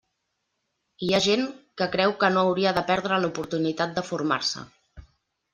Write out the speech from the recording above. I hi ha gent que creu que no hauria de perdre l'oportunitat de formar-se.